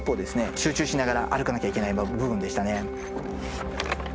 集中しながら歩かなきゃいけない部分でしたね。